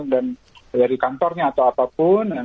dan dari kantornya atau apapun